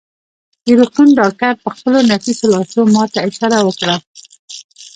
د روغتون ډاکټر په خپلو نفیسو لاسو ما ته اشاره وکړه.